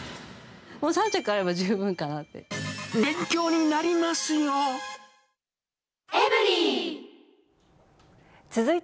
３着あれば十分かなって。